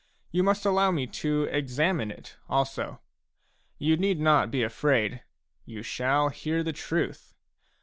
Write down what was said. You must allow me to examine it also. You need not be afraid ; you shall hear the truth.